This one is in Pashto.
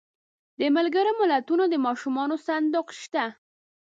د ملګرو ملتونو د ماشومانو صندوق شته.